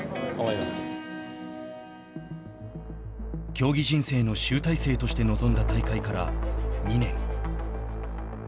競技人生の集大成として臨んだ大会から２年。